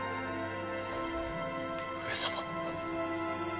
上様！